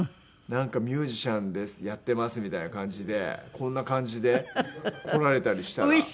なんかミュージシャンですやってますみたいな感じでこんな感じで来られたりしたら。